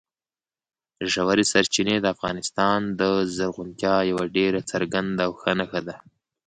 ژورې سرچینې د افغانستان د زرغونتیا یوه ډېره څرګنده او ښه نښه ده.